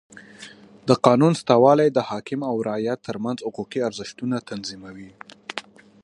د قانون سته والى د حاکم او رعیت ترمنځ حقوقي ارزښتونه تنظیموي.